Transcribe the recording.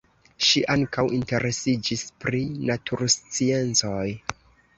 Ŝi ankaŭ interesiĝis pri natursciencoj.